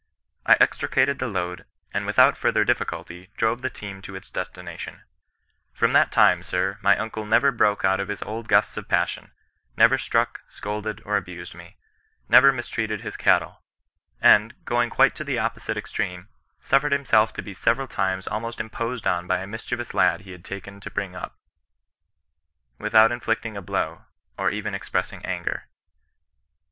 I extricated the load, and without further difficulty drove the team to its destination. From that time, sir, my uncle never broke out into his old gusts of passion ; never struck, scolded, or abused me ; never mistreated his cattle ; and, going quite to the opposite extreme, sufiered himself to be several times almost imposed on by a mischievous lad he had taken to bring up, without inflicting a blow, or even expressing anger.